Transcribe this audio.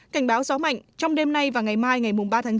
cảnh báo gió mạnh trong đêm nay và ngày mai ngày ba tháng chín